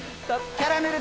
キャラメル。